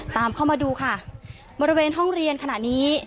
ตามเข้ามาดูค่ะบริเวณห้องเรียนขณะนี้